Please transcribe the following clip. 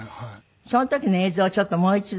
その時の映像をちょっともう一度。